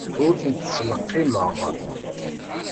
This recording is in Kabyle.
Ur tent-ttleqqimeɣ.